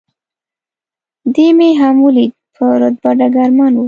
دی مې هم ولید، په رتبه ډګرمن و.